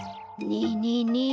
ねえねえねえ